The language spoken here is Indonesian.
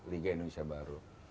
liga indonesia baru